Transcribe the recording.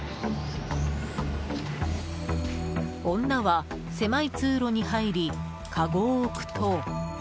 女は狭い通路に入りかごを置くと。